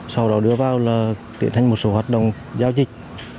sau đó đưa vào là tiện hành một số hoạt động giao dịch